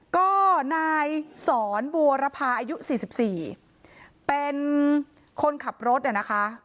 ก็นายสอนบัวระพาอายุ๔๔เป็นคนขับรถเนี่ยนะคะ